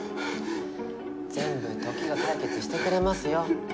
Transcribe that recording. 全部時が解決してくれますよ。